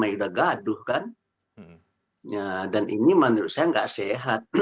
ini sudah gaduh kan dan ini menurut saya tidak sehat